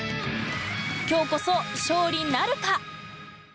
今日こそ勝利なるか？